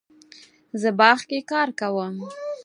زه باغ کې کار کوم